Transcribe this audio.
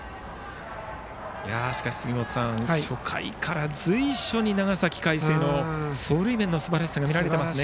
しかし、初回から随所に長崎・海星の走塁面のすばらしさが見えてますね。